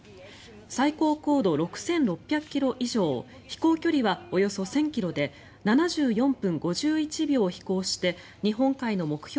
最高高度６６００ｋｍ以上飛行距離はおよそ１０００ｋｍで７４分５１秒飛行して日本海の目標